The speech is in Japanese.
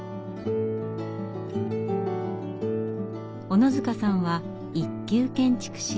小野塚さんは一級建築士。